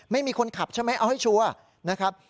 ไม่มีคนขับใช่ไหมเอาให้ชัวร์นะครับ